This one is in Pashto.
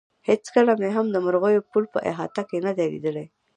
هېڅکله مې هم د مرغیو بول په احاطه کې نه دي لیدلي.